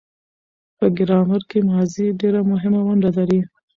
په ګرامر کښي ماضي ډېره مهمه ونډه لري.